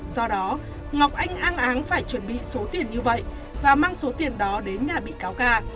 do đó ngọc anh ang áng phải chuẩn bị số tiền như vậy và mang số tiền đó đến nhà bị cáo ca